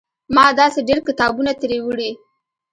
ما داسې ډېر کتابونه ترې وړي.